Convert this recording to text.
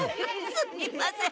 すみません。